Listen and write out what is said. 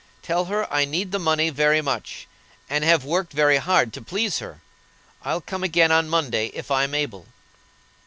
Tell her I need the money very much, and have worked very hard to please her. I'll come again on Monday, if I'm able."